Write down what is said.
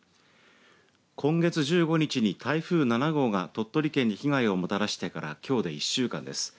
今月１５日に台風７号が鳥取県に被害をもたらしてからきょうで１週間です。